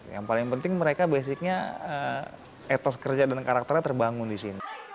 yang paling penting mereka basicnya etos kerja dan karakternya terbangun di sini